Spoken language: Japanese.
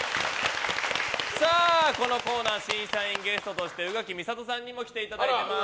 このコーナー審査員ゲストとして宇垣美里さんにも来ていただいています。